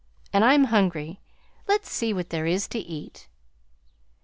"And I'm hungry. Let's see what there is to eat!"